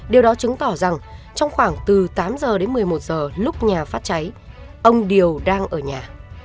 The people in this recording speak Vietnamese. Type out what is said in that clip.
điều đó chứng tỏ rằng trong khoảng từ tám giờ đến một mươi một giờ lúc nhà phát cháy ông điều đang ở nhà